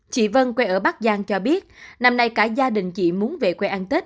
chị vân quê ở bắc giang cho biết năm nay cả gia đình chị muốn về quê ăn tết